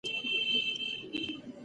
هیڅ حل چټک نه وي.